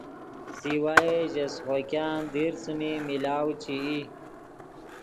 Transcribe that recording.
سوائے ژے سیخوګآن دیر څیمی ملاؤ چے ای